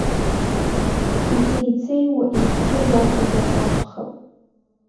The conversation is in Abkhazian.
Ицеицеиуа ихчы иаҵазар акәхап.